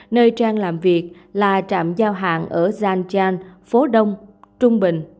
nơi giang làm việc là trạm giao hàng ở giang giang phố đông trung bình